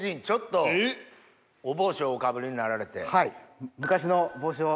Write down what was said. ちょっとお帽子をおかぶりになられて。